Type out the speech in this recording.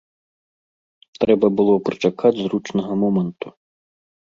Трэба было прычакаць зручнага моманту.